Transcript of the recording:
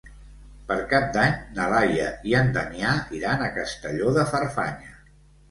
Per Cap d'Any na Laia i en Damià iran a Castelló de Farfanya.